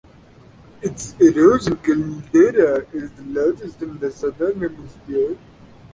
Its erosion caldera is the largest in the Southern Hemisphere.